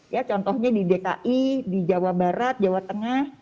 ya contohnya di dki di jawa barat jawa tengah